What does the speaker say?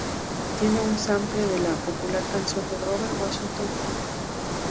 Tiene un "sample" de la popular canción de Grover Washington, Jr.